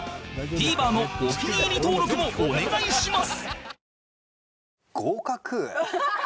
ＴＶｅｒ のお気に入り登録もお願いします！